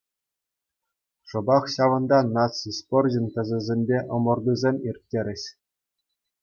Шӑпах ҫавӑнта наци спорчӗн тӗсӗсемпе ӑмӑртусем ирттерӗҫ.